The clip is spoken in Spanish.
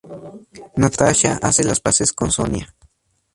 Natasha hace las paces con Sonia.